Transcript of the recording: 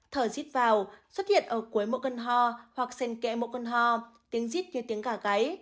thở dít vào xuất hiện ở cuối mỗi cơn hò hoặc sen kẽ mỗi cơn hò tiếng dít như tiếng cả gáy